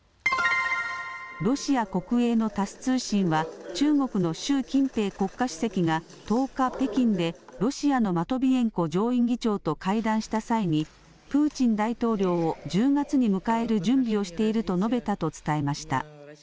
ロシア国営のタス通信は中国の習近平国家主席が１０日、北京でロシアのマトビエンコ上院議長と会談した際にプーチン大統領を１０月に迎える準備をしていると述べたと伝えました。